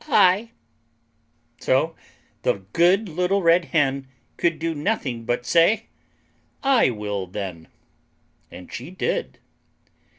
So the good Little Red Hen could do nothing but say, "I will then." And she did.